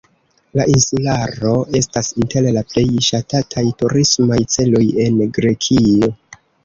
La insularo estas inter la plej ŝatataj turismaj celoj en Grekio.